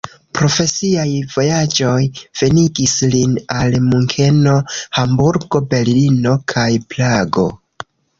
Profesiaj vojaĝoj venigis lin al Munkeno, Hamburgo, Berlino kaj Prago.